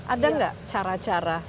ada nggak cara cara